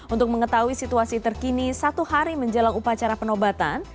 untuk mengetahui situasi terkini satu hari menjelang upacara penobatan